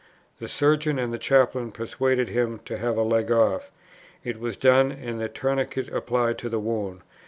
The surgeon and the chaplain persuaded him to have a leg off; it was done and the tourniquet applied to the wound.